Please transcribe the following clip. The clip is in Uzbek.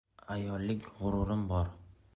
Ayollik g‘ururim bor".